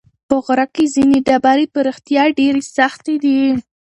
په غره کې ځینې ډبرې په رښتیا ډېرې سختې دي.